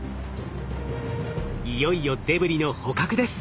いよいよデブリの捕獲です。